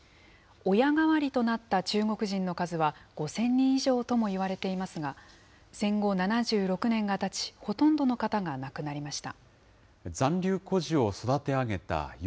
親代わりとなった中国人の数は５０００人以上ともいわれていますが、戦後７６年がたち、ほとんどの方が亡くなりました。